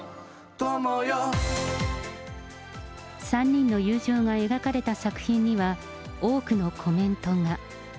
３人の友情が描かれた作品には、多くのコメントが。